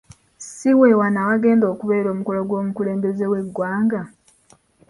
Si wewano awagenda okubeera omukolo gw'omukulembeze w'eggwanga.